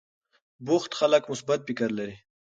بوخت خلک مثبت فکر لري.